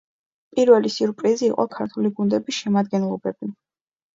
პირველი სიურპრიზი იყო ქართული გუნდების შემადგენლობები.